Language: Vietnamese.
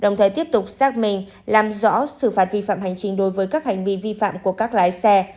đồng thời tiếp tục xác minh làm rõ xử phạt vi phạm hành chính đối với các hành vi vi phạm của các lái xe